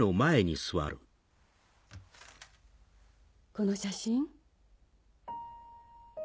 この写真？